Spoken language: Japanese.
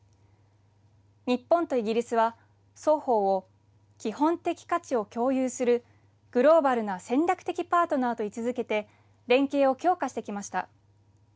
日本とイギリスは、双方を基本的価値を共有するグローバルな戦略的パートナーと位置づけて連携を強化してきました。